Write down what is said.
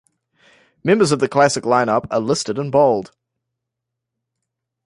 Members of the classic lineup are listed in bold.